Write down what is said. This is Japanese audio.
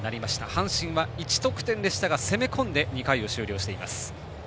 阪神は１得点でしたが攻め込んで２回を終了しています。